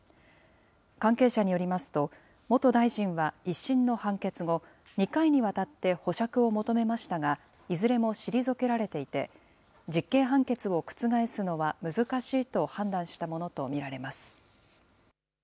関係者によりますと、元大臣は１審の判決後、２回にわたって保釈を求めましたが、いずれも退けられていて、実刑判決を覆すのは難しいと判断したものと見られます。